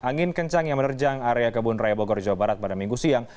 angin kencang yang menerjang area kebun raya bogor jawa barat pada minggu siang